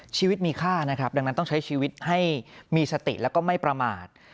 ชีวิตมีค่านะครับดังนั้นต้องใช้ชีวิตให้มีสติแล้วก็ไม่ประมาท